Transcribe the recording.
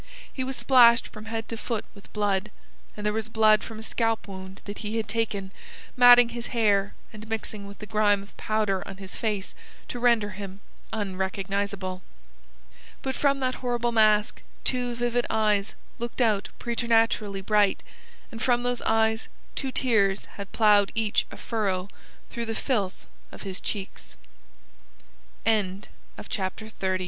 He was splashed from head to foot with blood, and there was blood from a scalp wound that he had taken matting his hair and mixing with the grime of powder on his face to render him unrecognizable. But from that horrible mask two vivid eyes looked out preternaturally bright, and from those eyes two tears had ploughed each a furrow through the filth of his cheeks. CHAPTER XXXI. HIS EXCELLENC